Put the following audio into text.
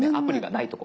ないとこ。